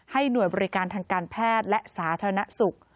หน่วยบริการทางการแพทย์และสาธารณสุข